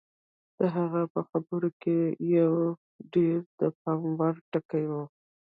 د هغه په خبرو کې یو ډېر د پام وړ ټکی و